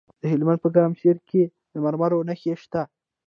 د هلمند په ګرمسیر کې د مرمرو نښې شته.